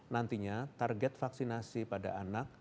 nantinya target vaksinasi pada anak